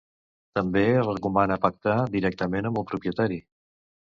També es recomana pactar directament amb el propietari.